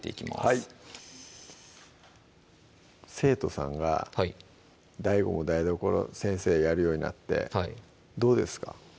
はい生徒さんがＤＡＩＧＯも台所先生やるようになってどうですか？